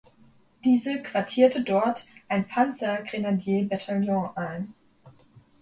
Diese quartierte dort ein Panzergrenadierbataillon ein.